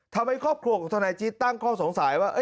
ทำให้ครอบครัวของทนายจิตตั้งข้อสงสัยว่า